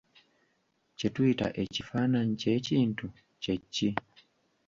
Kye tuyita ekifaananyi ky'ekintu kye ki?